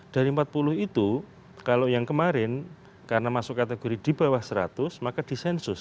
dari empat puluh itu kalau yang kemarin karena masuk kategori di bawah seratus maka disensus